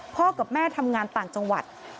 กับแม่ทำงานต่างจังหวัด